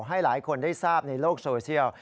ให้หลายคนได้ทราบในโลกโซเชียล